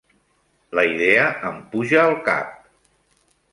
La idea em puja al cap.